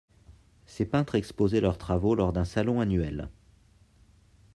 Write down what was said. Ces peintres exposaient leurs travaux lors d'un salon annuel.